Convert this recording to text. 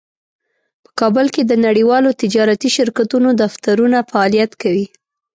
په کابل کې د نړیوالو تجارتي شرکتونو دفترونه فعالیت کوي